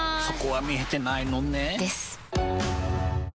そこは見えてないのね。です。